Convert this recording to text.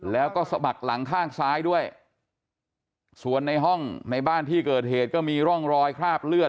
แล้วก็สะบักหลังข้างซ้ายด้วยส่วนในห้องในบ้านที่เกิดเหตุก็มีร่องรอยคราบเลือด